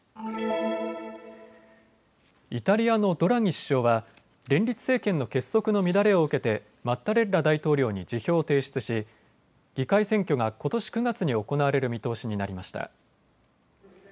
イタリアのドラギ首相は連立政権の結束の乱れを受けてマッタレッラ大統領に辞表を提出し、議会選挙がことし９月に行われる見通しになりました。